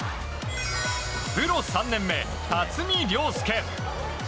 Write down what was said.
プロ３年目、辰己涼介。